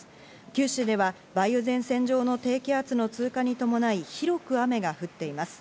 九州では梅雨前線上の低気圧の通過に伴い広く雨が降っています。